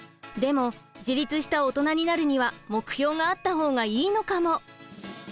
でも自立したオトナになるには目標があった方がいいのかも。